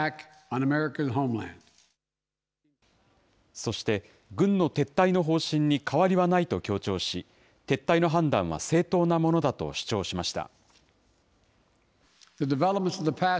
そして、軍の撤退の方針に変わりはないと強調し、撤退の判断は正当なものだと主張しました。